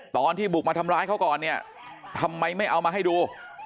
ตอนที่บุกมาทำร้ายเขาก่อนเนี่ยทำไมไม่เอามาให้ดู